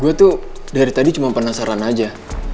gue tuh dari tadi cuma penasaran aja